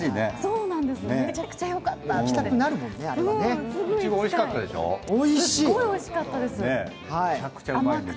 めちゃくちゃよかったって。